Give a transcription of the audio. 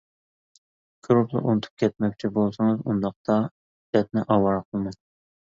كۆرۈپلا ئۇنتۇپ كەتمەكچى بولسىڭىز ئۇنداقتا بەتنى ئاۋارە قىلماڭ!